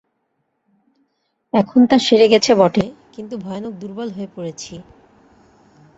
এখন তা সেরে গেছে বটে, কিন্তু ভয়ানক দুর্বল হয়ে পড়েছি।